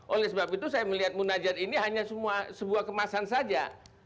oleh sebab itu saya melihat munajat ini hanya sebuah kemasan saja